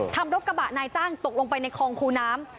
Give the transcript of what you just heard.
รถกระบะนายจ้างตกลงไปในคลองคูน้ำ